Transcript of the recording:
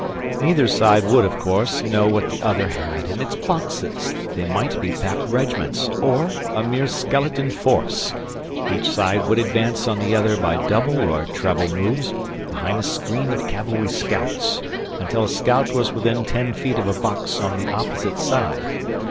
Neither side would, of course, know what the other had in its boxes; they might be packed regiments or a mere skeleton force. Each side would advance on the other by double or treble moves behind a screen of cavalry scouts, until a scout was within ten feet of a box on the opposite side.